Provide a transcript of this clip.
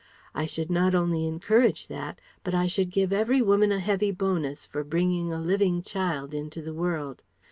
I should not only encourage that, but I should give every woman a heavy bonus for bringing a living child into the world....